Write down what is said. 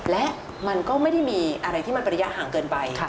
และมันก็ไม่ได้มีอะไรที่มันประยะห่างเกินไป